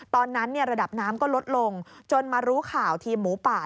ตอนนั้นระดับน้ำก็ลดลงจนมารู้ข่าวทีมหมูป่า